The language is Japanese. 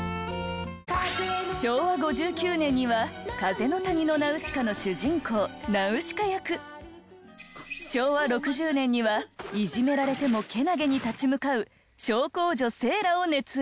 昭和５９年には『風の谷のナウシカ』の主人公ナウシカ役昭和６０年にはいじめられてもけなげに立ち向かう小公女セーラを熱演。